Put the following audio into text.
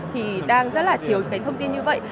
thì đang rất là thiếu cái thông tin như vậy